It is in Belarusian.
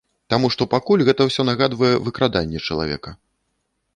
Таму што пакуль гэта ўсё нагадвае выкраданне чалавека.